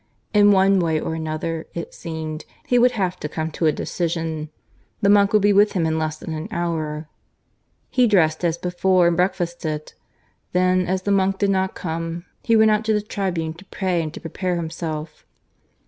In one way or another, it seemed, he would have to come to a decision. The monk would be with him in less than an hour. He dressed as before and breakfasted. Then, as the monk did not come, he went out to the tribune to pray and to prepare himself.